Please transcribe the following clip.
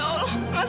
saya segera cek